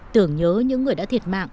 tưởng nhớ những người đã thiệt mạng